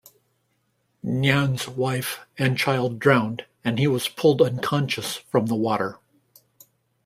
Ngạn's wife and child drowned and he was pulled unconscious from the water.